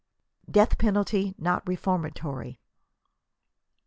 DEATH PENALTY NOT REFORMATORY.